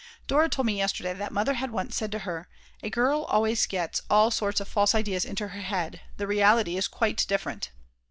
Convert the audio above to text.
Dora told me yesterday that Mother had once said to her: "A girl always gets all sorts of false ideas into her head; the reality is quite different."